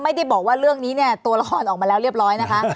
ไม่ได้บอกว่าเรื่องนี้เนี่ยตัวละครออกมาแล้วเรียบร้อยนะคะ